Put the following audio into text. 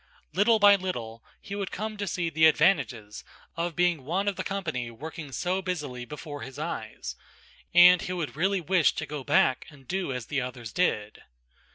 Little by little, he would come to see the advantages of being one of the company working so busily before his eyes, and he would really wish to go back and do as the others did.